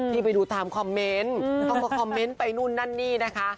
ไปดูตามคอมเมนต์เข้ามาคอมเมนต์ไปนู่นนั่นนี่นะคะ